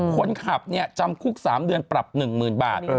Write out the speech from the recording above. คนขับจำคุก๓เดือนปรับ๑๐๐๐บาท